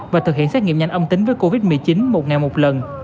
và thực hiện xét nghiệm nhanh âm tính với covid một mươi chín một ngày một lần